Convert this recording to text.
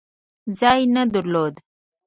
ځای نه درلود.